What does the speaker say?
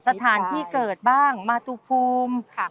สถานที่เกิดบ้างมาตุภูมิ